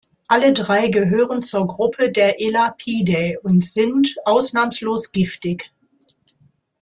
Alle drei gehören zur Gruppe der Elapidae und sind ausnahmslos giftig.